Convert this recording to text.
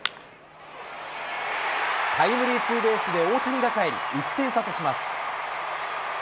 タイムリーツーベースで大谷がかえり、１点差とします。